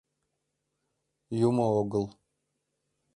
Юмо огыл.